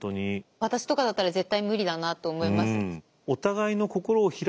私とかだったら絶対無理だなと思います。